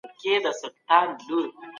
ذمي زموږ په امن کي د پوره درناوي مستحق دی.